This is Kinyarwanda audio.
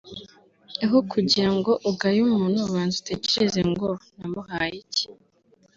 aho kugira ngo ugaye umuntu banza utekereze ngo namuhaye iki